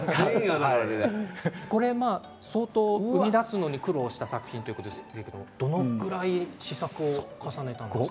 相当、生み出すのに苦労した作品ということですけれどどのくらい試作を重ねたんですか。